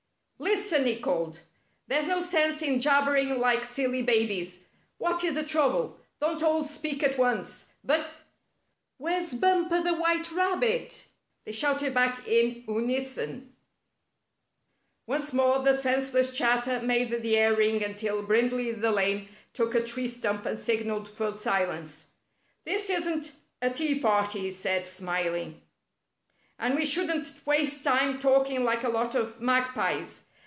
" Lis ten," he called. " There's no sense in jabbering like silly babies. What is the trouble? Don't all speak at once, but —" "Where's Bumper the White Rabbit!" they shouted back in unison. Once more the senseless chatter made the air ring until Brindley the Lame took a tree stump and signalled for silence. "This isn't a tea 82 The Rabbits Rise Against Bumper party," he said, smiling, '' and we shouldn't waste time talking like a lot of magpies.